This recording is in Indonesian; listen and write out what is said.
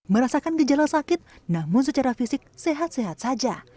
merasakan gejala sakit namun secara fisik sehat sehat saja